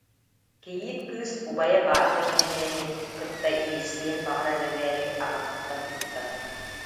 Кийиит кыыс убайа баатыр Нэмирэни кытта иирсиэн баҕарар эрээри, аҕатыттан куттанар